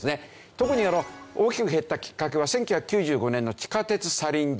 特に大きく減ったきっかけは１９９５年の地下鉄サリン事件ですよね。